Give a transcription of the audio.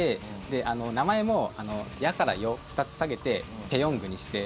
名前も「ヤ」から「ヨ」２つ下げてペヨングにして。